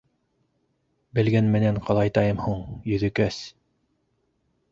— Белгән менән ҡалайтайым һуң, Йөҙөкәс.